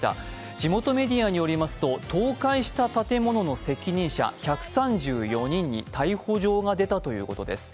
地元メディアによりますと、倒壊した建物の責任者１３４人に逮捕状が出たということです。